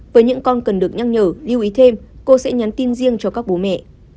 với những con cần được nhắc nhở lưu ý thêm cô sẽ nhắn tin riêng cho các bố mẹ